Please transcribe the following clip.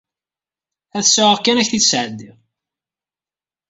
Ad t-sɛuɣ kan, ad k-t-id-sɛeddiɣ.